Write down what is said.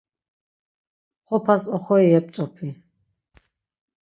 Xopas oxori yep̌ç̌opi.